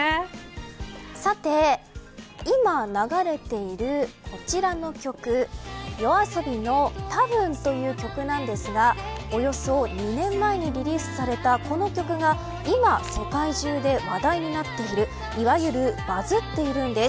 さて今、流れているこちらの曲ＹＯＡＳＯＢＩのたぶんという曲なんですがおよそ２年前にリリースされたこの曲が今、世界中で話題になっているいわゆるバズっているんです。